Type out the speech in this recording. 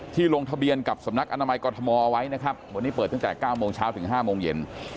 ลงทะเบียนกับสำนักอนามัยกรทมเอาไว้นะครับวันนี้เปิดตั้งแต่๙โมงเช้าถึง๕โมงเย็น